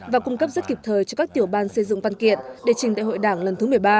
và cung cấp rất kịp thời cho các tiểu ban xây dựng văn kiện để trình đại hội đảng lần thứ một mươi ba